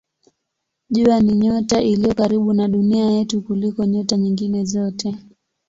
Jua ni nyota iliyo karibu na Dunia yetu kuliko nyota nyingine zote.